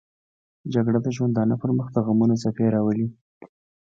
جګړه د ژوندانه پر مخ دغمونو څپې راولي